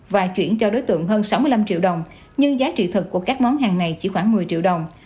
và chuyển cho đối tượng hơn sáu mươi năm triệu đồng nhưng giá trị thật của các món hàng này chỉ khoảng một mươi triệu đồng